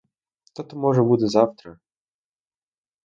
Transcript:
Та то, може, буде завтра.